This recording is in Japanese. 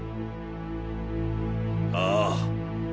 ああ。